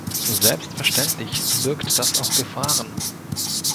Selbstverständlich birgt das auch Gefahren.